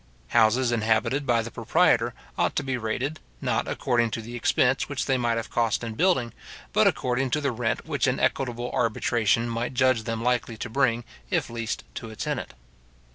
Houses inhabited by the proprietor ought to be rated, not according to the expense which they might have cost in building, but according to the rent which an equitable arbitration might judge them likely to bring if leased to a tenant.